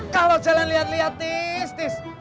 kalau jalan liat liat tis tis